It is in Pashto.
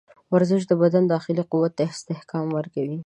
ورزش د بدن داخلي قوت ته استحکام ورکوي.